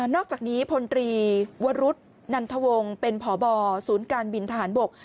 อกจากนี้พลตรีวรุษนันทวงศ์เป็นพบศูนย์การบินทหารบก